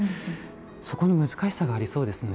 そこの難しさがありそうですね。